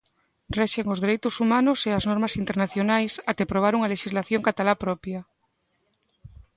Rexen os dereitos humanos e as normas internacionais até aprobar unha lexislación catalá propia.